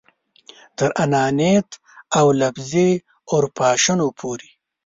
تر انانیت او لفظي اورپاشنو پورې.